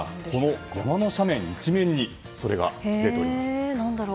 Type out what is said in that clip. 山の斜面一面にそれが出ております。